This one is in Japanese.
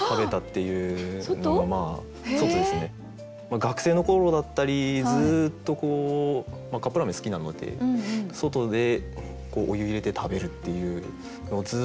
学生の頃だったりずっとカップラーメン好きなので外でお湯入れて食べるっていうのをずっとやっていたので。